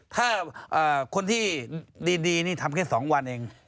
ถ้าคนที่ดีนี่ทำแค่๒วันเอง